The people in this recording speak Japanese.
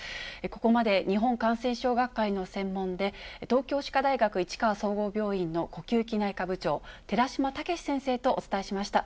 ここまで日本感染症学会の専門で、東京歯科大学市川総合病院の呼吸器内科部長、寺嶋毅先生とお伝えしました。